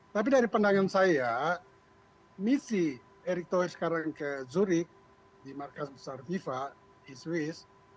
tapi dari pendangan saya misi erick toi sekarang ke zurich di markas besar viva di swiss